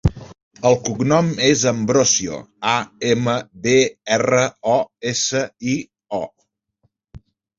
El cognom és Ambrosio: a, ema, be, erra, o, essa, i, o.